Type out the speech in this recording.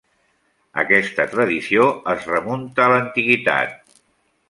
Aquesta tradició es remunta a l'antiguitat.